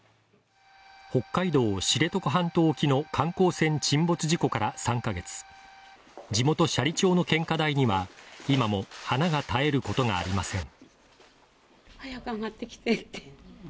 北海道知床半島沖の観光船沈没事故から３カ月、地元・斜里町の献花台には今も花が絶えることがありません。